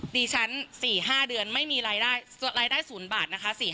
ดิฉัน๔๕เดือนไม่มีรายได้๐บาทนะคะ